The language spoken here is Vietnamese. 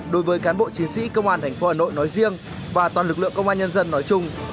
đối với cán bộ chiến sĩ công an thành phố hà nội nói riêng và toàn lực lượng công an nhân dân nói chung